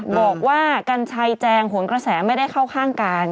บอกว่ากัญชัยแจงหนกระแสไม่ได้เข้าข้างกัน